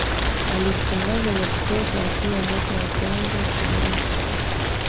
alijitangaza vya kutosha akiwa mwaka wa kwanza chuoni